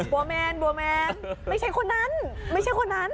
บัวแมนบัวแมนไม่ใช่คนนั้นไม่ใช่คนนั้น